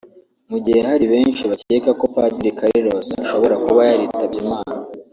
Mu gihe hari benshi bakeka ko Padiri Carlos ashobora kuba yaritabye Imana